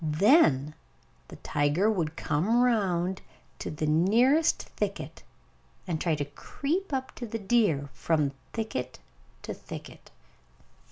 Then the tiger would come round to the nearest thicket, and try to creep up to the deer from thicket to thicket.